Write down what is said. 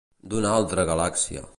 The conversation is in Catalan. D'una altra galàxia.